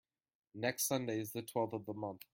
Next Sunday is the twelfth of the month.